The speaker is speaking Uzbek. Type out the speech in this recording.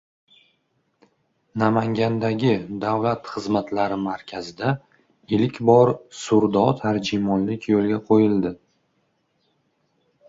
Namangandagi davlat xizmatlari markazida ilk bor surdo tarjimonlik yo‘lga qo‘yildi